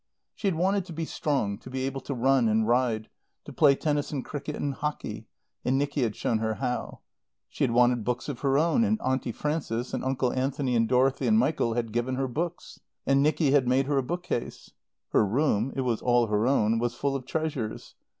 She had wanted to be strong, to be able to run and ride, to play tennis and cricket and hockey, and Nicky had shown her how. She had wanted books of her own, and Auntie Frances, and Uncle Anthony and Dorothy and Michael had given her books, and Nicky had made her a bookcase. Her room (it was all her own) was full of treasures.